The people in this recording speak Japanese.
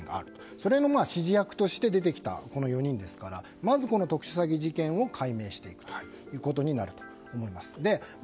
それの指示役として出てきた４人ですからまず特殊詐欺事件を解明していくことになると思います。